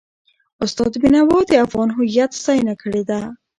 استاد بینوا د افغان هویت ستاینه کړې ده.